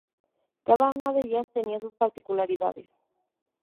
Cada una de ella tenía sus particularidades.